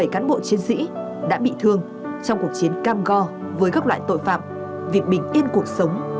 một trăm một mươi bảy cán bộ chiến sĩ đã bị thương trong cuộc chiến cam go với các loại tội phạm việc bình yên cuộc sống của nhân dân